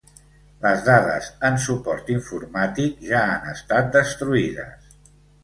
Les dades en suport informàtic ja han estat destruïdes.